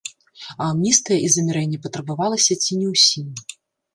А амністыя і замірэнне патрабавалася ці не ўсім.